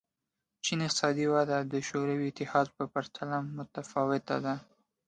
چین اقتصادي وده د شوروي اتحاد په پرتله متفاوته ده.